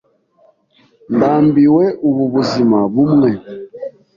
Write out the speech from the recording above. Ndambiwe ubu buzima bumwe.